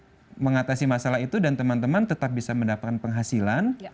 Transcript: jadi kita bisa mengatasi masalah itu dan teman teman tetap bisa mendapatkan penghasilan